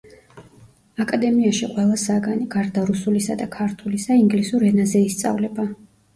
აკადემიაში ყველა საგანი, გარდა რუსულისა და ქართულისა, ინგლისურ ენაზე ისწავლება.